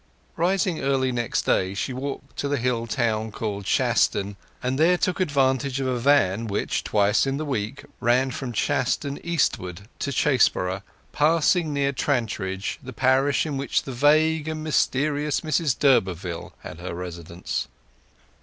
Rising early next day she walked to the hill town called Shaston, and there took advantage of a van which twice in the week ran from Shaston eastward to Chaseborough, passing near Trantridge, the parish in which the vague and mysterious Mrs d'Urberville had her residence.